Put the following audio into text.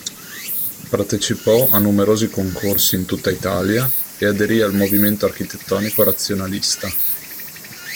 Partecipò a numerosi concorsi in tutta Italia, e aderì al movimento architettonico razionalista.